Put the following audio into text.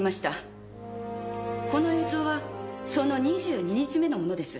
この映像はその２２日目のものです。